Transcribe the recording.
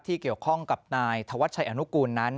เกี่ยวข้องกับนายธวัชชัยอนุกูลนั้น